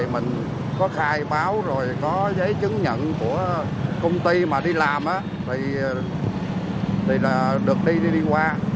mình có khai báo rồi có giấy chứng nhận của công ty mà đi làm thì được đi thì đi qua